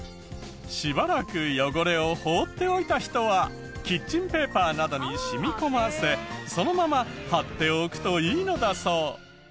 しばらく汚れを放っておいた人はキッチンペーパーなどに染み込ませそのまま貼っておくといいのだそう。